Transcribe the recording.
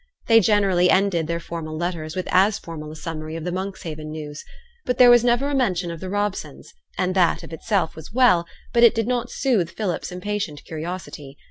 They generally ended their formal letters with as formal a summary of Monkshaven news; but there was never a mention of the Robsons, and that of itself was well, but it did not soothe Philip's impatient curiosity.